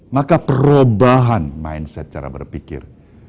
maka perubahan mindset cara berpikir